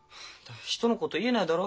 人のこと言えないだろ。